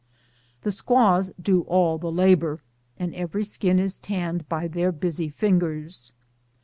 The squaws do all the labor, and every skin is tanned by their busy fingers.